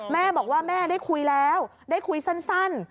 แม่บอกว่าแม่ได้คุยแล้วได้คุยสั้น